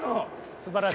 すばらしい。